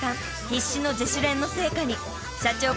必死の自主練の成果に］